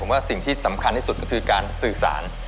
ว่าสิ่งที่สำคัญที่สุดก็คือการสื่อสาร